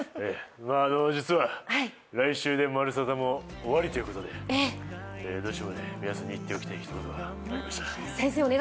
実は来週で「まるサタ」も終わりということでどうしても皆さんに言っておきたい一言がありました。